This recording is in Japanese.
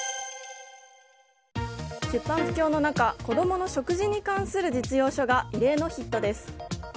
出版不況の中子供の食事に関する実用書が異例のヒットです。